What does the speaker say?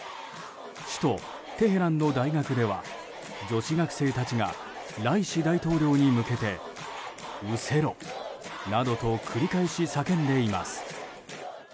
首都テヘランの大学では女子学生たちがライシ大統領に向けて失せろなどと繰り返し叫んでいます。